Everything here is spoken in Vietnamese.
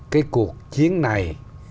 cái cuộc chiến này